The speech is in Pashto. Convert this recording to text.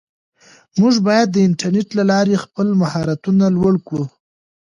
موږ باید د انټرنیټ له لارې خپل مهارتونه لوړ کړو.